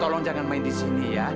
tolong jangan main di sini ya